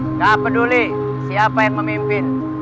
nggak peduli siapa yang memimpin